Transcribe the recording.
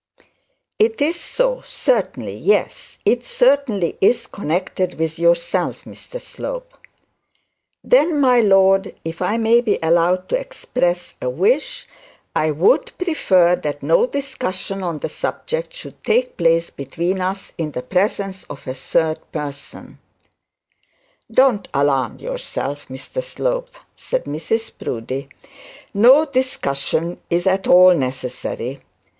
'It is so certainly, yes, it certainly is connected with yourself, Mr Slope.' 'Then, my lord, if I may be allowed to express a wish, I would prefer that no discussion on the subject should take place between us in the presence of a third party.' 'Don't alarm yourself, Mr Slope,' said Mrs Proudie, 'no discussion is at all necessary.